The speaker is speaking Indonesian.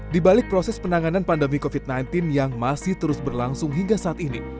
di balik proses penanganan pandemi covid sembilan belas yang masih terus berlangsung hingga saat ini